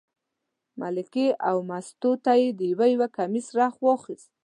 مکۍ او مستو ته یې د یو یو کمیس رخت واخیست.